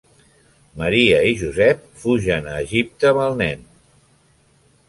Maria i Josep fugen a Egipte amb el nen.